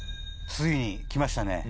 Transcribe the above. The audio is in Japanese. ついにきましたね